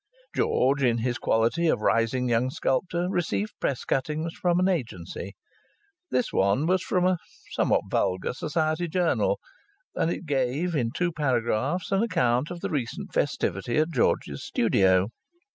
George, in his quality of rising young sculptor, received Press cuttings from an agency. This one was from a somewhat vulgar Society journal, and it gave, in two paragraphs, an account of the recent festivity at George's studio.